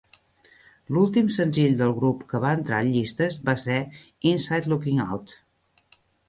L'últim senzill del grup que va entrar en llistes va ser "Inside Looking Out".